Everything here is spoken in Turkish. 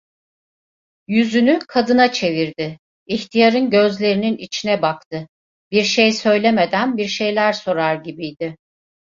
Yüzünü kadına çevirdi; ihtiyarın gözlerinin içine baktı; bir şey söylemeden bir şeyler sorar gibiydi.